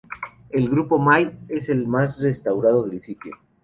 El "grupo May" es el más restaurado del sitio.